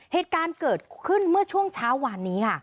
เหตุการณ์เกิดขึ้นเมื่อช่วงเช้าวานนี้ค่ะ